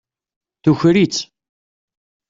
Tuker-itt.